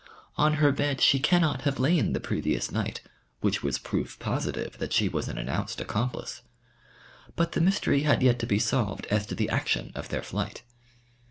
On her bed she cannot have lain the previous night, which was proof positive that she was an announced accomplice. But the mystery had yet to be solved as to the action of their flight.